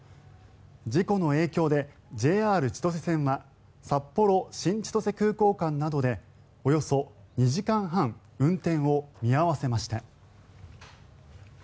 事故の影響でＪＲ千歳線は札幌新千歳空港間などでおよそ２時間半運転を見合わせました。